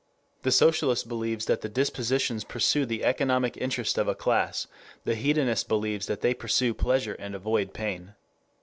The socialist believes that the dispositions pursue the economic interest of a class; the hedonist believes that they pursue pleasure and avoid pain.